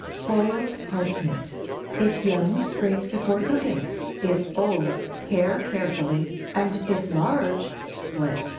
BOILED PARSNIPS. If young, scrape before cooking. If old, pare carefully, and if large, split.